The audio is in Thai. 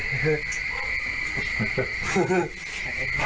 ใครตาย